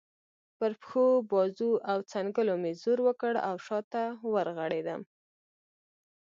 پر پښو، بازو او څنګلو مې زور وکړ او شا ته ورغړېدم.